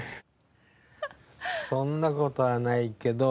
そんな事はないけど。